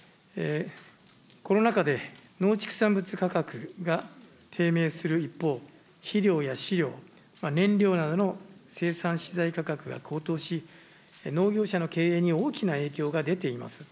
コロナ禍で農畜産物価格が低迷する一方、肥料や飼料、燃料などの生産資材価格が高騰し、農業者の経営に大きな影響が出ています。